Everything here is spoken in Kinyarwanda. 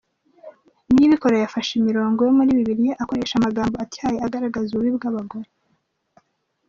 Niyibikora yafashe imirongo yo muri Bibiliya, akoresha amagambo atyaye, agaragaza ububi bw’abagore.